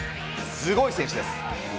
すごい選手です。